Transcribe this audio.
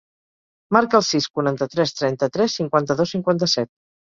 Marca el sis, quaranta-tres, trenta-tres, cinquanta-dos, cinquanta-set.